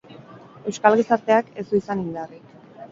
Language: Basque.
Euskal gizarteak ez du izan indarrik.